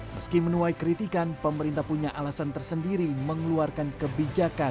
meski menuai kritikan pemerintah punya alasan tersendiri mengeluarkan kebijakan